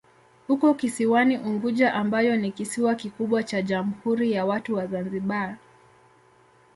Uko kisiwani Unguja ambayo ni kisiwa kikubwa cha Jamhuri ya Watu wa Zanzibar.